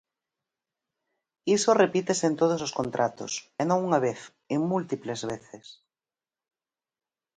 Iso repítese en todos os contratos, e non unha vez, en múltiples veces.